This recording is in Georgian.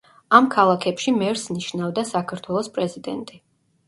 ამ ქალაქებში მერს ნიშნავდა საქართველოს პრეზიდენტი.